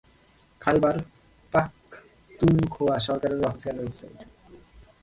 খাইবার পাখতুনখোয়া সরকারের official website